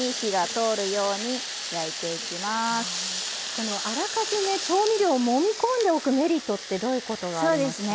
このあらかじめ調味料をもみ込んでおくメリットってどういうことがありますか？